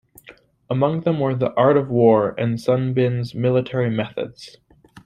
Among them were "The Art of War" and Sun Bin's "Military Methods".